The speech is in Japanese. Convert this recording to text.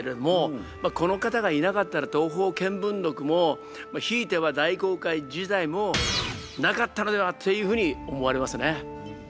まあこの方がいなかったら「東方見聞録」もひいては大航海時代もなかったのではっていうふうに思われますね。